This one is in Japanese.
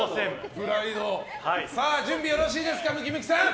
準備よろしいですかムキムキさん！